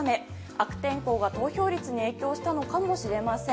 悪天候が投票率に影響したのかもしれません。